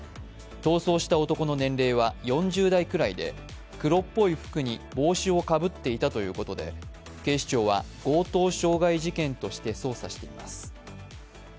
逃走した男の年齢は４０代ぐらいで黒っぽい服に帽子をかぶっていたということで警視庁は強盗傷害事件として捜査しています。